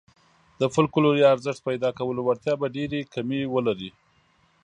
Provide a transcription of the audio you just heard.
د فوکلوري ارزښت پيدا کولو وړتیا به ډېرې کمې ولري.